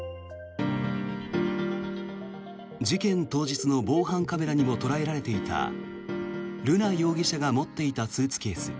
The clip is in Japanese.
事件当日の防犯カメラにも捉えられていた瑠奈容疑者が持っていたスーツケース。